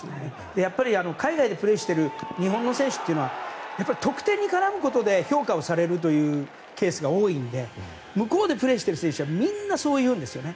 やっぱり海外でプレーしている日本の選手は得点に絡むことで評価をされるというケースが多いんで向こうでプレーしている選手はみんなそう言うんですよね。